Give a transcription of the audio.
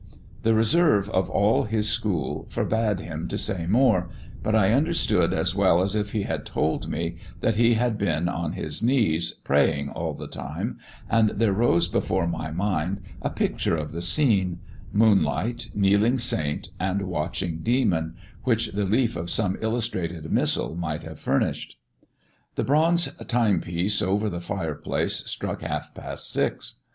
The reserve of all his school forbade him to say more, but I understood as well as if he had told me that he had been on his knees, praying all the time, and there rose before my mind a picture of the scene moonlight, kneeling saint, and watching demon, which the leaf of some illustrated missal might have furnished. The bronze timepiece over the fireplace struck half past six.